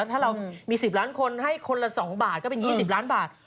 ถ้าเรามี๑๐ล้านคนให้คนละ๒บาทก็เป็น๒๐ล้านบาท